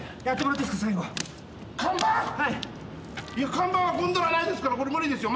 看板はゴンドラないですから無理ですよ。